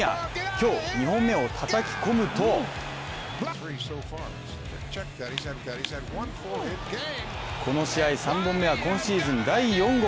今日、２本目をたたき込むとこの試合３本目は今シーズン第４号。